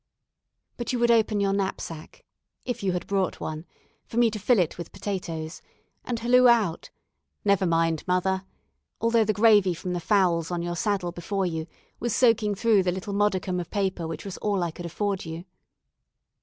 But you would open your knapsack, if you had brought one, for me to fill it with potatoes, and halloo out, "Never mind, mother!" although the gravy from the fowls on your saddle before you was soaking through the little modicum of paper which was all I could afford you.